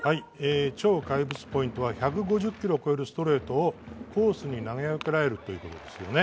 超怪物ポイントは１５０キロを超えるストレートをコースに投げ分けられるということです。